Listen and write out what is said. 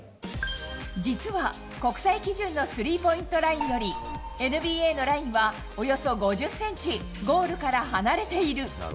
実は、国際基準のスリーポイントラインより、ＮＢＡのラインはおよそ５０センチ、ゴールから離れている。